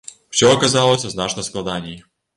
Усё аказалася значна складаней.